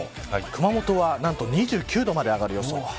熊本は２９度まで上がる予想。